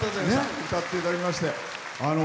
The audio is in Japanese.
歌っていただきまして。